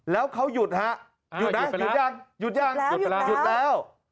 แล้วเขาหยุดนะหยุดยังหยุดแล้วหยุดแล้ว